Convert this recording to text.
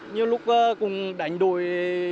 nhiều lúc cũng đánh đuổi